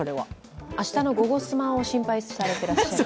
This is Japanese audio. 明日の「ゴゴスマ」を心配されてらっしゃる？